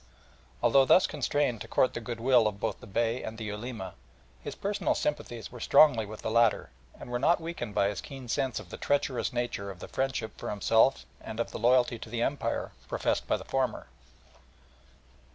Although thus constrained to court the goodwill of both the Beys and of the Ulema, his personal sympathies were strongly with the latter, and were not weakened by his keen sense of the treacherous nature of the friendship for himself and of the loyalty to the Empire professed by the former.